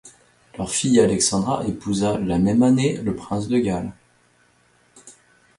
Leur fille Alexandra épousa la même année le prince de Galles.